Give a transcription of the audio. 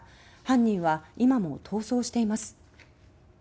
犯人は、今も逃走しています。